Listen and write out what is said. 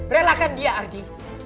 rilakan dia ardi